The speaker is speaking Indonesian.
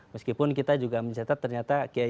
meskipun kita juga mencatat ternyata kiai